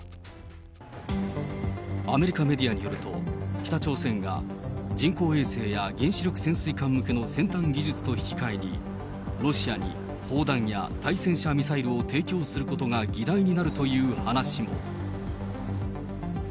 アメリカメディアによると、北朝鮮が人工衛星や原子力潜水艦向けの先端技術と引き換えに、ロシアに砲弾や対戦車ミサイルを提供することが議題になるという話も。